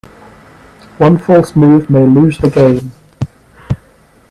One false move may lose the game.